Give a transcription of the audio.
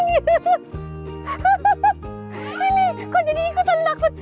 ini kok jadi ikutan maksud